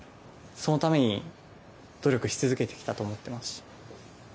そのために努力し続けてきたと思ってますし。